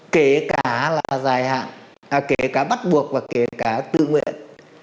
kể cả là dài hạn kể cả bắt buộc và kể cả tự nguyện